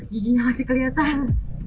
giginya masih kelihatan